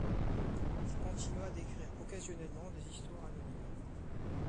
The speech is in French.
Il continua d'écrire occasionnellement des histoires anonymes.